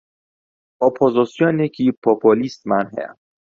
ئۆپۆزسیۆنێکی پۆپۆلیستمان هەیە